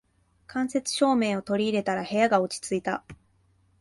間接照明を取り入れたら部屋が落ち着いた